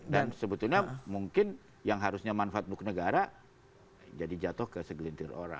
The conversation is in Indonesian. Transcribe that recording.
dan sebetulnya mungkin yang harusnya manfaat buku negara jadi jatuh ke segelintir orang